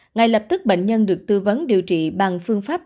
ngay lập tức bệnh nhân được tư vấn điều trị bằng phương pháp